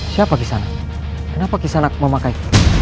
siapa kisanak kenapa kisanak memakai